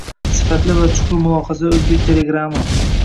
Sifatli va chuqur mulohazali oʻzbek telegrami